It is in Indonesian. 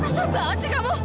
asal banget sih kamu